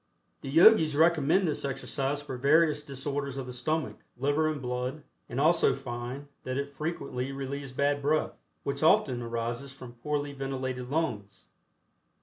The Yogis recommend this exercise for various disorders of the stomach, liver and blood, and also find that it frequently relieves bad breath, which often arises from poorly ventilated lungs.